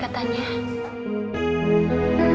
semua nyanyinya menempel itu